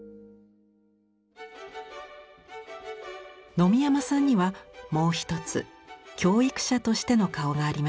野見山さんにはもう一つ教育者としての顔がありました。